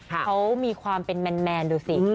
เขามีความเป็นแมนดูสิ